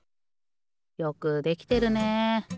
よくできてるね。